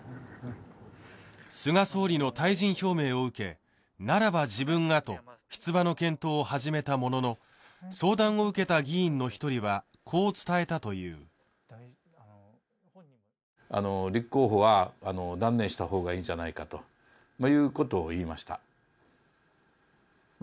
菅総理の退陣表明を受けならば自分がと出馬の検討を始めたものの相談を受けた議員の一人はこう伝えたというあの立候補は断念したほうがいいんじゃないかということを言いましたまあ